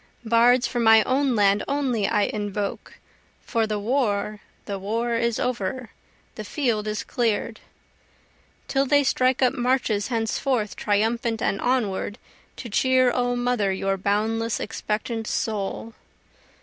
Bards for my own land only I invoke, (For the war the war is over, the field is clear'd,) Till they strike up marches henceforth triumphant and onward, To cheer O Mother your boundless expectant soul.